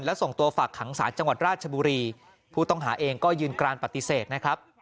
และส่งตัวฝากขังศาลจังหวัดราชบุรีผู้ต้องหาเองก็ยืนกรานปฏิเสธนะครับ